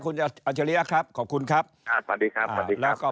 คุณอัจริยะครับขอบคุณครับครับสวัสดีครับสวัสดีครับแล้วก็